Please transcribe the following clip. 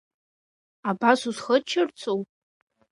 Абас усхыччарцу!